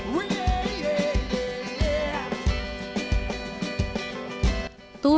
yeah yeah yeah